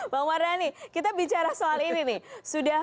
bang mardhani kita bicara soal ini nih